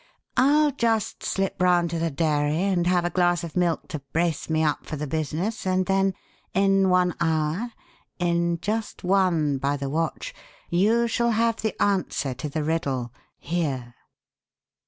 "I'll just slip round to the dairy and have a glass of milk to brace me up for the business and then in one hour in just one by the watch you shall have the answer to the riddle here."